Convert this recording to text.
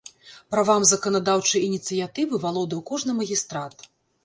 Правам заканадаўчай ініцыятывы валодаў кожны магістрат.